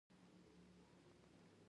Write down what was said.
چای د زړه درزا سمه ساتي